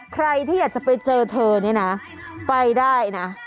ใครที่อยากจะไปเจอเธอเนี่ยนะไปได้นะ